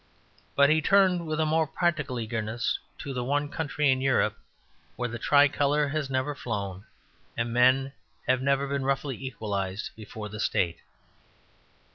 But he turned with a more practical eagerness to the one country in Europe where the tricolour has never flown and men have never been roughly equalized before the State.